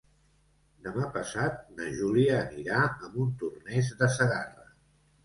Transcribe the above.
Demà passat na Júlia anirà a Montornès de Segarra.